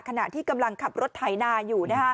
ขณะที่กำลังขับรถไถนาอยู่